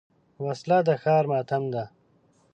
وسله د ښار ماتم ده